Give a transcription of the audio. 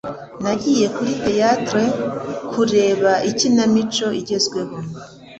Nagiye kuri theatre kureba ikinamico igezweho.